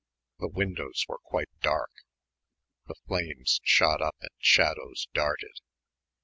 The windows were quite dark. The flames shot up and shadows darted.